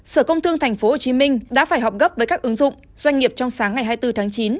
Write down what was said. sở công thương tp hcm đã phải học gấp với các ứng dụng doanh nghiệp trong sáng ngày hai mươi bốn tháng chín